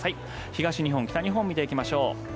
東日本、北日本見ていきましょう。